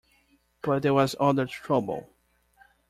But there was other trouble.